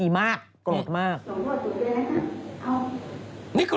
เดี๋ยวมาจะให้กราบ